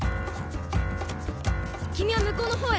君はむこうの方へ。